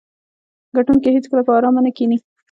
ګټونکي هیڅکله په ارامه نه کیني.